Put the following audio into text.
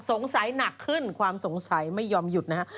หนักขึ้นความสงสัยไม่ยอมหยุดนะฮะ